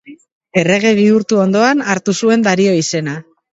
Errege bihurtu ondoan hartu zuen Dario izena.